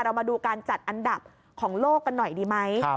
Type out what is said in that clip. มาดูการจัดอันดับของโลกกันหน่อยดีไหม